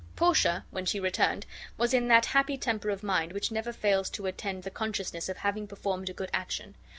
Portia, when she returned, was in that happy temper of mind which never fails to attend the consciousness of having performed a good action.